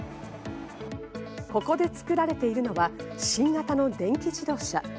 ここで作られているのは新型の電気自動車。